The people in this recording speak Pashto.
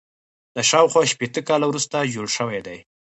دا شاوخوا شپېته کاله وروسته جوړ شوی دی.